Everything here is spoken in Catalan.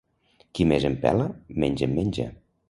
Qui més en pela, menys en menja.